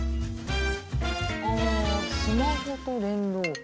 ああスマホと連動。